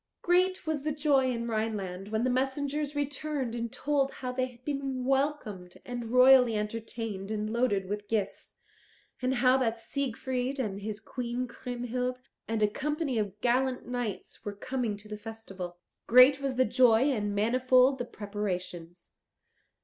Great was the joy in Rhineland when the messengers returned and told how they had been welcomed and royally entertained and loaded with gifts, and how that Siegfried and his Queen Kriemhild and a company of gallant knights were coming to the festival. Great was the joy and manifold the preparations.